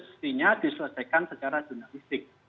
selesainya diselesaikan secara jurnalistik